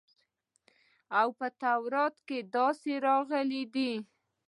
او په تورات کښې داسې راغلي دي.